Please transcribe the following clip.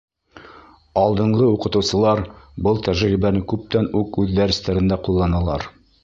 Алдынғы уҡытыусылар был тәжрибәне күптән үк үҙ дәрестәрендә ҡулланалар.